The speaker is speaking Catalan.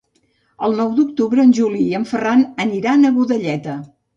El nou d'octubre en Juli i en Ferran aniran a Godelleta.